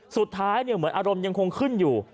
สุดท้ายเหมือนอารมณ์ยังคงขึ้นอยู่